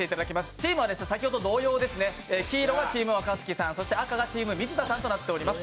チームは先ほど同様、黄色がチーム若槻さん赤がチーム水田さんとなっております。